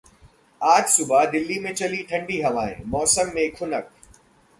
आज सुबह दिल्ली में चली ठंडी हवाएं, मौसम में खुनक